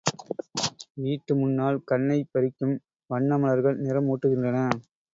வீட்டு முன்னால் கண்ணைப் பறிக்கும் வண்ண மலர்கள் நிறம் ஊட்டுகின்றன.